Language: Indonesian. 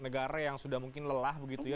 negara yang sudah mungkin lelah begitu ya